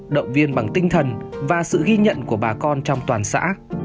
động viên bằng tinh thần và sự ghi nhận của bà con trong toàn xã